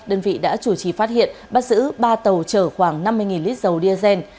đơn vị đã chủ trì phát hiện bắt giữ ba tàu chở khoảng năm mươi lít dầu diesel